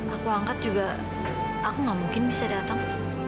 aku angkat juga aku gak mungkin bisa datang